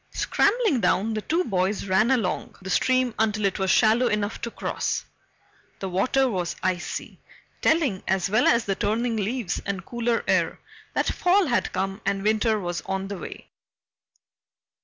Scrambling down, the two boys ran along the stream until it was shallow enough to cross. The water was icy, telling, as well as the turning leaves and cooler air, that fall had come and winter was on the way.